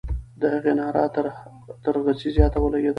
د هغې ناره تر غسي زیاته ولګېده.